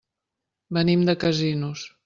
Venim de Casinos.